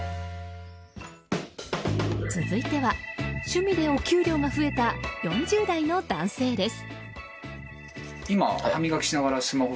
続いては趣味でお給料が増えた４０歳の男性です。